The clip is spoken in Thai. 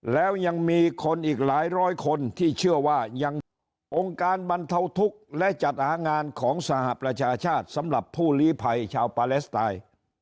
แล้วยังมีคนอีกหลายร้อยคนที่เชื่อว่ายังองค์การบรรเทาทุกข์และจัดหางานของสหประชาชาติสำหรับผู้ลีภัยชาวปาเลสไตน์